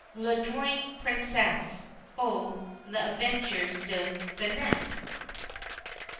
L'ADROITE PRINCESSE; OU, LES AVENTURES DE FINETTE.